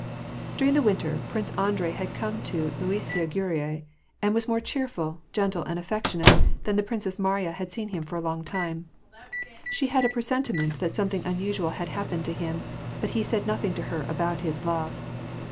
During the winter. Prince Andrei had come to Luisiya (Jorui, and was more cheerful, gentle, and affectionate, than the Prin cess Mariya had seen him for a long time. She had a presenti ment that something unusual had happened to him ; but he said nothing to her about his love.